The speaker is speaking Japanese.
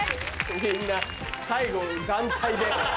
みんな最後団体で。